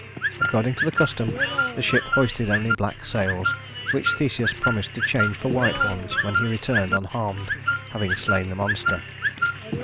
According to the custom, the ship hoisted only black sails, which Theseus promised to change for white ones when he returned unharmed, having slain the monster.